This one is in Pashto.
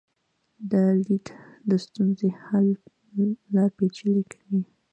دا لید د ستونزې حل لا پیچلی کوي.